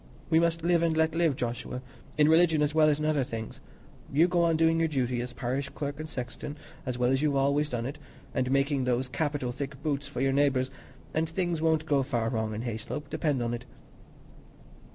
We must 'live and let live,' Joshua, in religion as well as in other things. You go on doing your duty, as parish clerk and sexton, as well as you've always done it, and making those capital thick boots for your neighbours, and things won't go far wrong in Hayslope, depend upon it."